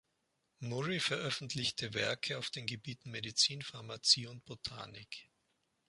Murray veröffentlichte Werke auf den Gebieten Medizin, Pharmazie und Botanik.